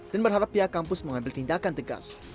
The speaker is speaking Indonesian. dan berharap pihak kampus mengambil tindakan tegas